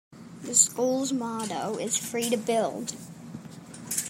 The school's motto is 'Free to Build'.